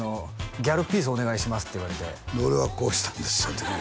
「ギャルピースお願いします」って言われてで俺はこうしたんですよね